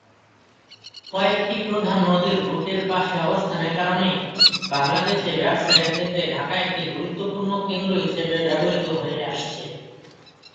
কয়েকটি প্রধান নদীর রুটের পাশে অবস্থানের কারণে, বাংলাদেশে ব্যবসায়ের ক্ষেত্রে ঢাকা একটি গুরুত্বপূর্ণ কেন্দ্র হিসেবে ব্যবহৃত হয়ে আসছে।